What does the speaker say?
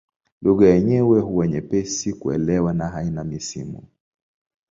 Lugha yenyewe huwa nyepesi kuelewa na haina misimu.